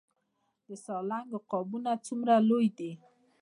د سالنګ عقابونه څومره لوی دي؟